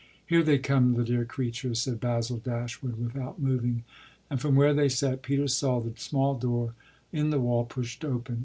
"Here they come, the dear creatures," said Basil Dashwood without moving; and from where they sat Peter saw the small door in the wall pushed open.